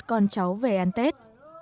con cháu về ăn tết